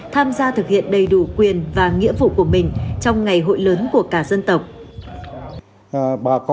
tham gia thực hiện đầy đủ quyền và nghĩa vụ của mình trong ngày hội lớn của cả dân tộc